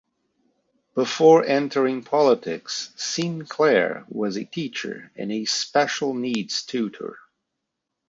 Before entering politics, Sinclair was a teacher and a special needs tutor.